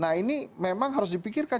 nah ini memang harus dipikirkan